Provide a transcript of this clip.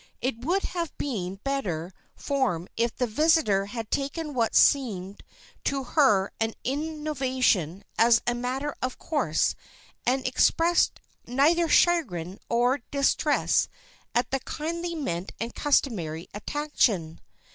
It would have been better form if the visitor had taken what seemed to her an innovation as a matter of course, and expressed neither chagrin nor distress at the kindly meant and customary attention.